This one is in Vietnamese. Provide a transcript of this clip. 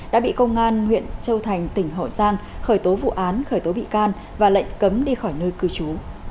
đã bị công an huyện châu thành tỉnh hậu giang khởi tố vụ án khởi tố bị can và lệnh cấm đi khỏi nơi cư trú